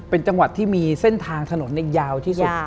เป็นจังหวัดที่มีเส้นทางถนนยาวที่สุด